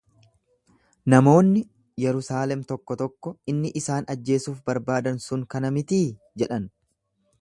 Namoonni Yerusaalem tokko tokko, Inni isaan ajjeesuuf barbaadan sun kana mitii jedhan.